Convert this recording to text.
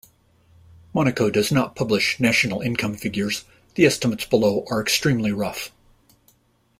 Monaco does not publish national income figures; the estimates below are extremely rough.